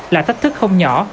là thách thức không nhỏ